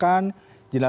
jelasan atau tidak